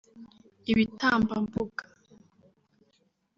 ibitambambuga